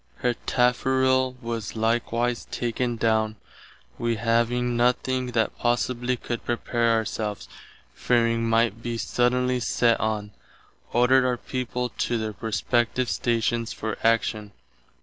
Her tafferill was likewise taken downe. Wee having done what possibly could to prepare ourselves, fearing might be suddenly sett on, ordered our people to their respective stations for action.